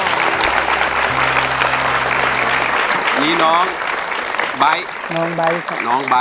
สวัสดีครับ